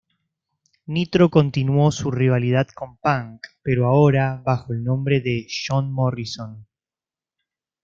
Nitro continuó su rivalidad con Punk, pero ahora bajo el nombre de "John Morrison".